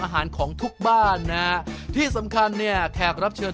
เหมือนกันไหมเหมือนไหม